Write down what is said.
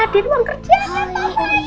dia doang kerja aja sama mama ya